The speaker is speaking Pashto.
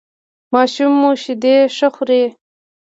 ماشوم مو شیدې ښه خوري؟